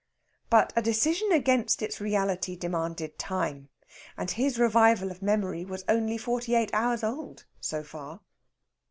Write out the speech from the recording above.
But a decision against its reality demanded time, and his revival of memory was only forty eight hours old so far.